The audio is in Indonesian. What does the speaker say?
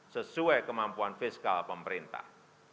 sesuai kemampuan fiskal pemerintah